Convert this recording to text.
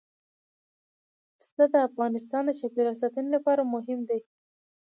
پسه د افغانستان د چاپیریال ساتنې لپاره مهم دي.